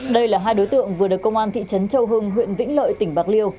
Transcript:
đây là hai đối tượng vừa được công an thị trấn châu hưng huyện vĩnh lợi tỉnh bạc liêu